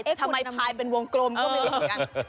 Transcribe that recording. ทำไมพายเป็นวงกลมก็ไม่รู้เหมือนกัน